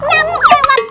namun lewat kondak